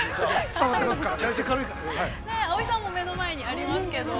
◆葵さんも目の前にありますけれども。